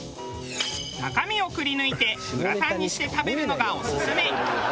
中身をくりぬいてグラタンにして食べるのがオススメ。